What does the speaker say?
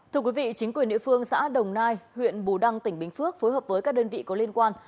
thưa quý vị chính quyền địa phương xã đồng nai huyện bù đăng tỉnh bình phước phối hợp với các đơn vị có liên quan